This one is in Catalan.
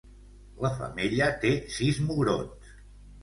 La femella té sis mugrons.